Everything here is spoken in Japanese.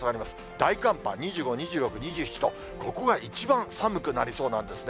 大寒波、２５、２６、２７とここが一番寒くなりそうなんですね。